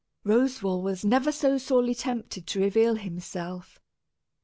Roswal was never so sorely tempted to reveal himself!